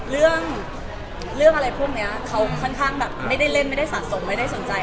เรื่องเรื่องอะไรพวกนี้เขาค่อนข้างแบบไม่ได้เล่นไม่ได้สะสมไม่ได้สนใจ